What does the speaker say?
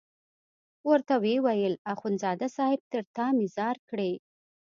ورته ویې ویل اخندزاده صاحب تر تا مې ځار کړې.